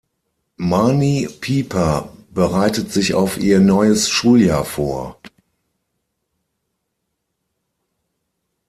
Marnie Piper bereitet sich auf ihr neues Schuljahr vor.